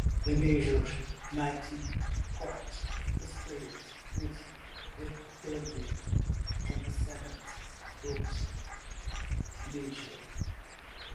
The major ninth chord is played with the third and seventh both major.